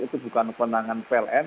itu bukan kewenangan pln